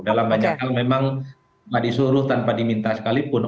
dalam banyak hal memang tidak disuruh tanpa diminta sekalipun